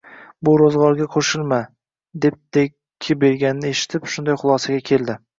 Bu roʻzgʻorga qoʻshilma, deb dakki berganini eshitib, shunday xulosaga keldi